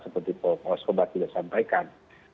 seperti pak waskobar sudah sampaikan